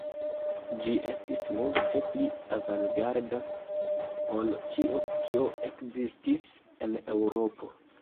Ĝi estis multe pli avangarda ol ĉio, kio ekzistis en Eŭropo.